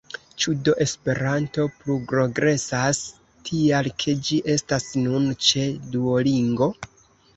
Ĉu do Esperanto pluprogresas, tial ke ĝi estas nun ĉe Duolingo?